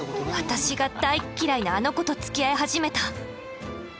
私が大っ嫌いなあの子とつきあい始めた。